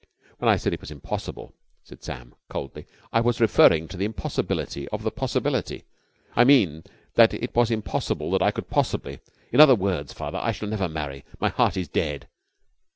"When I said it was impossible," said Sam coldly, "I was referring to the impossibility of the possibility.... I mean, that it was impossible that I could possibly ... in other words, father, I can never marry. My heart is dead."